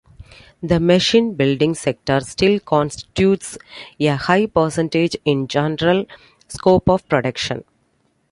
The machine building sector still constitutes a high percentage in general scope of production.